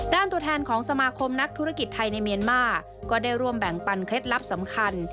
ตัวแทนของสมาคมนักธุรกิจไทยในเมียนมาร์ก็ได้ร่วมแบ่งปันเคล็ดลับสำคัญ